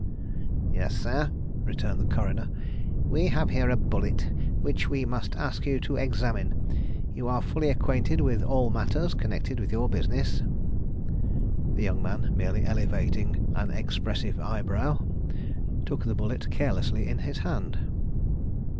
"Yes, sir," returned the coroner. "We have here a bullet, which we must ask you to examine, You are fully acquainted with all matters connected with your business?" The young man, merely elevating an expressive eyebrow, took the bullet carelessly in his hand.